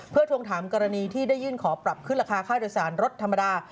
เพื่อทวงถามกรณีที่ได้ยื่นขอปรับขึ้นราคาค่าโดยสารรถธรรมดา